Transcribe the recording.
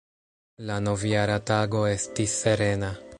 La Novjara Tago estis serena.